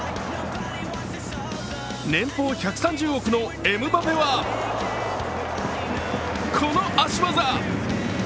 年俸１３０億のエムバペは、この足技。